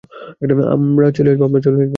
আমরা চলে আসব।